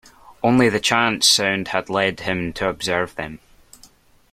Only the chance sound had led him to observe them.